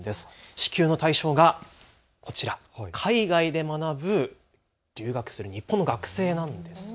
支給の対象がこちら、海外で学ぶ留学生、日本の学生なんです。